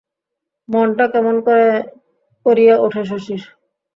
মনটা কেমন করিয়া ওঠে শশীর।